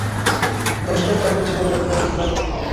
দোষটোষ যা করেছি মনে রাখবেন নাকি?